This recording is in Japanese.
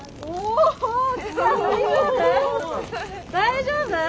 大丈夫？